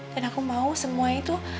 dan aku mau semua itu